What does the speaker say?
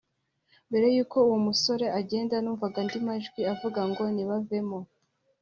Mbere y’uko uwo musore agenda numvaga andi majwi avuga ngo ‘nibavemo